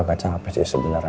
agak capek sih sebenarnya